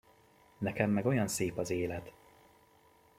Nekem meg olyan szép az élet!